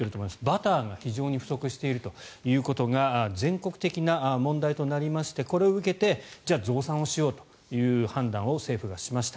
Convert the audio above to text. バターが非常に不足しているというおことが全国的な問題となりましてこれを受けてじゃあ、増産しようという判断を政府がしました。